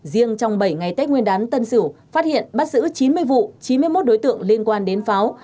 riêng trong bảy ngày tết nguyên đán tân sửu phát hiện bắt giữ chín mươi vụ chín mươi một đối tượng liên quan đến pháo